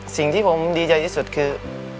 สิ่งที่ผมดีใจที่สุดคือ